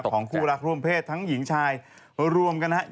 ของคู่รักร่วมเพศทั้งหญิงชายรวมกันนะครับ